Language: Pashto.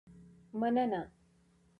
مننه.